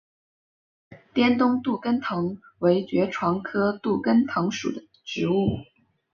滇东杜根藤为爵床科杜根藤属的植物。